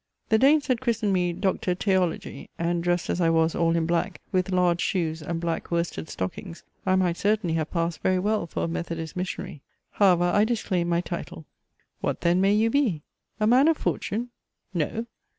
The Danes had christened me Doctor Teology, and dressed as I was all in black, with large shoes and black worsted stockings, I might certainly have passed very well for a Methodist missionary. However I disclaimed my title. What then may you be? A man of fortune? No!